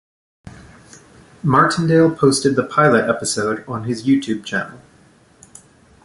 Martindale posted the pilot episode on his YouTube channel.